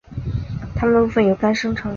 它们部分由肝生成。